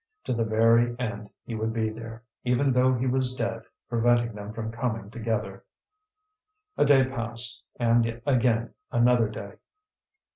To the very end he would be there, even though he was dead, preventing them from coming together. A day passed, and again another day.